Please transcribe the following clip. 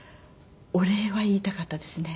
お礼は言いたかったですね。